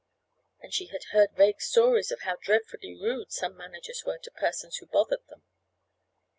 And she had heard vague stories of how dreadfully rude some managers were to persons who bothered them.